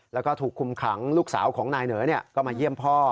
แล้วก็ถูกคุมขังลูกสาวของนายเหนอก็มาเยี่ยมพ่อ